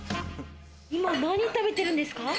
今何食べてるんですか？